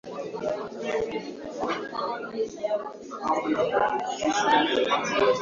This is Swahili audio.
kiasili ilikuwa jina la Waskandinavia wale kutoka Uswidi ya leo Mwaka was